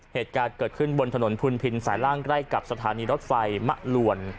เหตุการณ์เกิดขึ้นบนถนนพุนพินสายล่างใกล้กับสถานีรถไฟมะลวน